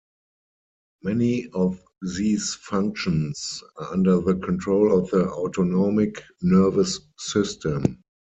Many of these functions are under the control of the autonomic nervous system.